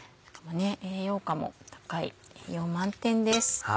栄養価も高い栄養満点です。